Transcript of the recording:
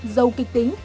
dầu kịch tính